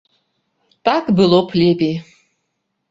Так было б лепей.